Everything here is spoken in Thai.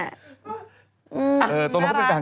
เขาก็น่ารักดีนะเนี่ย